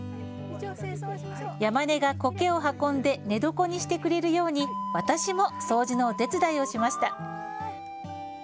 ヤマネがこけを運んで寝床にしてくれるように私も掃除のお手伝いをしました。